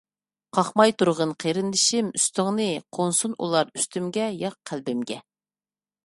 قاقماي تۇرغىن قېرىندىشىم ئۈستۈڭنى، قونسۇن ئۇلار ئۈستۈمگە، ياق قەلبىمگە.